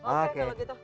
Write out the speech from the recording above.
oke kalau gitu